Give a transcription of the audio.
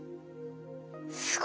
すごい。